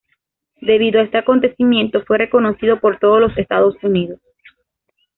Debido a este acontecimiento fue reconocido por todo los Estados Unidos.